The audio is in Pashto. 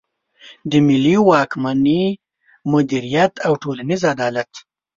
د ملي واکمني مدیریت او ټولنیز عدالت.